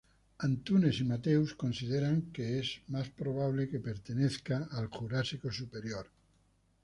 Antunes y Mateus, consideran que lo más probable pertenece a Jurásico superior.